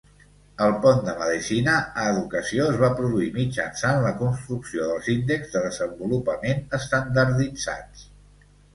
El pont de medicina a educació es va produir mitjançant la construcció dels índexs de desenvolupament estandarditzats.